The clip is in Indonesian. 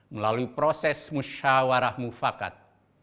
melalui proses musyawarah mufakat